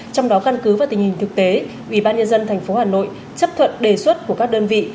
trong đó căn cứ vào tình hình thực tế ủy ban nhân dân tp hà nội chấp thuận đề xuất của các đơn vị